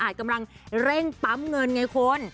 กำลังเร่งปั๊มเงินไงคุณ